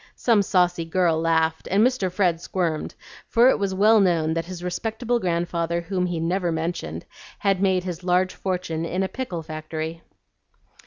Some saucy girl laughed, and Mr. Fred squirmed, for it was well known that his respectable grandfather whom he never mentioned had made his large fortune in a pickle factory.